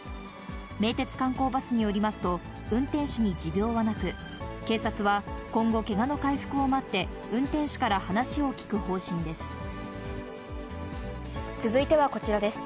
名鉄観光バスによりますと、運転手に持病はなく、警察は今後、けがの回復を待って、運転手から話を聴く方針です。